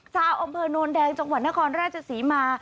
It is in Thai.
ชาวอำเภอโนนแดงจังหวัดนครราชศรีมา